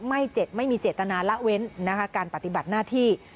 ไม่เจ็บไม่มีเจ็บตนาละเว้นในการปฏิบัติหน้าที่